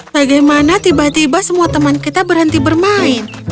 bagaimana tiba tiba semua teman kita berhenti bermain